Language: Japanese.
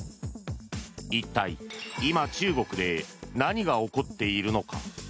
一体、今、中国で何が起こっているのか。